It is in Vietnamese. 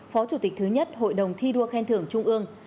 phó chủ tịch thứ nhất hội đồng thi đua khen thưởng trung ương